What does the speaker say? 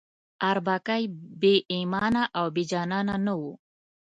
اربکی بې ایمانه او بې جانانه نه وو.